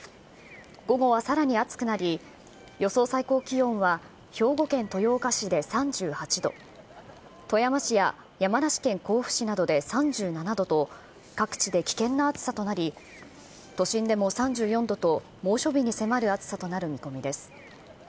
午後はさらに暑くなり、予想最高気温は兵庫県豊岡市で３８度、富山市や山梨県甲府市などで３７度と、各地で危険な暑さとなり、都心でも３４度と、猛暑日に迫る暑さとなる見込みです。